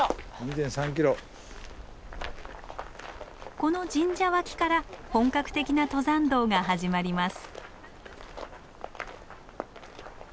この神社脇から本格的な登山道が始まります。